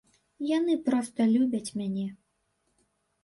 Яны проста любяць мяне.